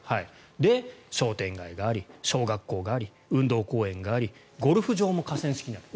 商店街があり小学校があり運動公園がありゴルフ場も河川敷にある。